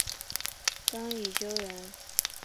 张懋修人。